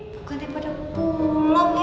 bukan daripada pulang ya